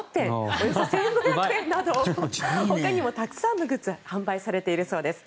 およそ１５００円などほかにもたくさんのグッズが販売されているそうです。